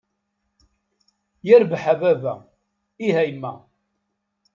Yirbeḥ a baba, ih a yemma!